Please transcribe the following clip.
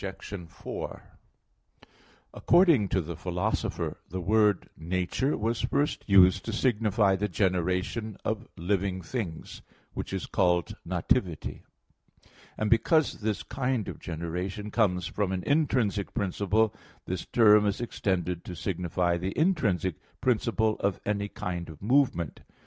4: According to the Philosopher (Metaph. v, 5), the word "nature" was first used to signify the generation of living things, which is called nativity. And because this kind of generation comes from an intrinsic principle, this term is extended to signify the intrinsic principle of any kind of movement.